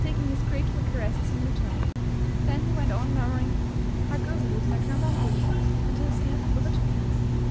Bg his grateful caresses in return. Then he went on murmuring, '' How goes it with my Krambambuli f '' until sleep overtook him.